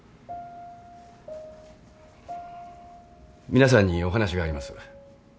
皆さんにお話があります。